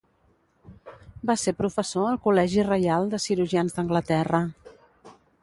Va ser professor al Col·legi Reial de Cirurgians d'Anglaterra.